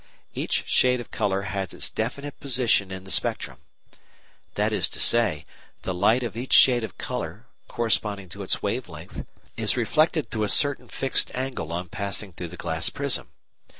Each shade of colour has its definite position in the spectrum. That is to say, the light of each shade of colour (corresponding to its wave length) is reflected through a certain fixed angle on passing through the glass prism.